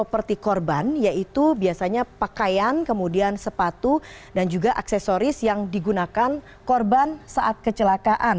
seperti korban yaitu biasanya pakaian kemudian sepatu dan juga aksesoris yang digunakan korban saat kecelakaan